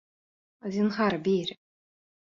Зинһар, бир!